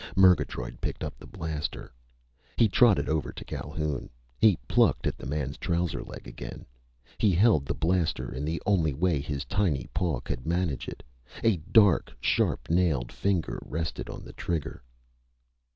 Murgatroyd picked up the blaster. He trotted over to Calhoun. He plucked at the man's trouser leg again. He held the blaster in the only way his tiny paw could manage it. A dark, sharp nailed finger rested on the trigger.